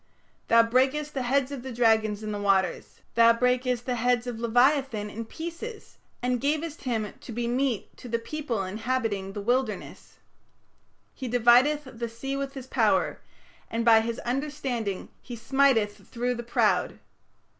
" "Thou brakest the heads of the dragons in the waters; thou brakest the heads of leviathan in pieces, and gavest him to be meat to the people inhabiting the wilderness"; "He divideth the sea with his power, and by his understanding he smiteth through the proud (Rahab).